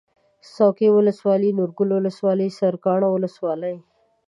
څوکۍ ولسوالي نورګل ولسوالي سرکاڼو ولسوالي